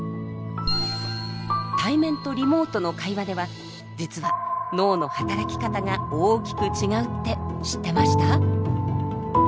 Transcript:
対面とリモートの会話では実は脳の働き方が大きく違うって知ってました？